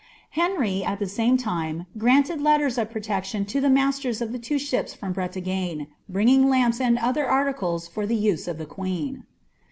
Henry, at the same lime, granted letters of protection to ihn tnuters of two ships from Urelagne, bringing lamps and other articles for _tbe use of Uie queen.'